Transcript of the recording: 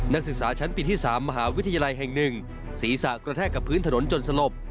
นักศึกษาชั้นปีที่๓มหาวิทยาลัยแห่ง๑ศีรษะกระแทกกับพื้นถนนจนสลบ